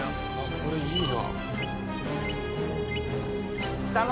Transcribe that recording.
これいいな。